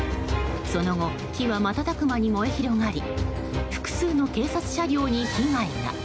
その後、火は瞬く間に燃え広がり複数の警察車両に被害が。